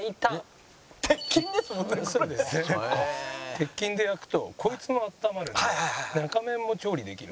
鉄筋で焼くとこいつも温まるんで中面も調理できる。